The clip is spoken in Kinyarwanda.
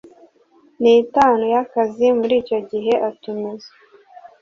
n itanu y akazi muri icyo gihe atumiza